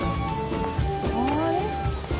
あれ？